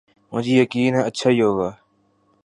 مجھے یقین ہے اچھا ہی ہو گا۔